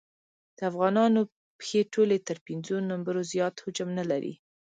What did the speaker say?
د افغانانو پښې ټولې تر پېنځو نمبرو زیات حجم نه لري.